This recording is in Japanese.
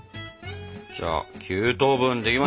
じゃあ９等分できました。